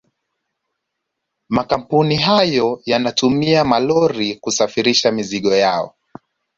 Makampuni hayo yanatumia malori kusafirisha mizigo yao